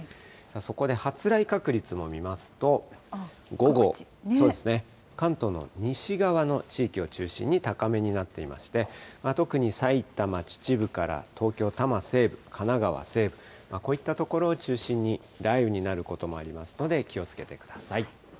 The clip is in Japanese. そこで発雷確率も見ますと、午後、関東の西側の地域を中心に高めになっていまして、特に埼玉・秩父から東京・多摩西部、神奈川西部、こういった所を中心に雷雨になることもありますので気をつけてください。